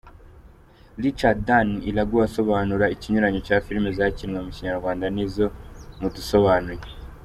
Richard Dan Iraguha asobanura ikinyuranyo cya filimi zakinnywe mu Kinyarwanda n’izo mu “dusobanuye” :.